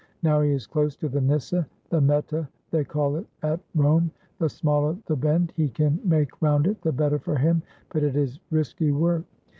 — Now he is close to the nyssa — the meta they call it at Rome; the smaller the bend he can make round it the better for him, but it is risky work.